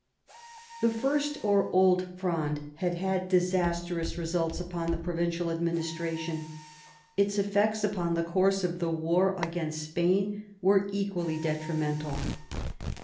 The First or Old Fronde had had disastrous results upon the provincial administration. Its effects upon the course of the war against Spain were equally detrimental.